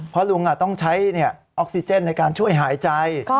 เพราะลุงต้องใช้ออกซิเจนในการช่วยหายใจ